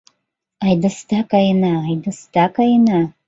Айдста каена, айдста каена